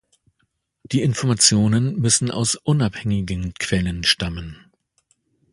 Die Informationen müssen aus unabhängigen Quellen stammen.